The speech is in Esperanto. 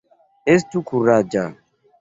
Estu kuraĝa!